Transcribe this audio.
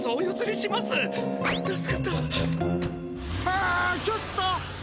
あちょっと。